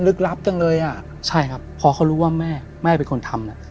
กลับจังเลยอ่ะใช่ครับพอเขารู้ว่าแม่แม่เป็นคนทำน่ะ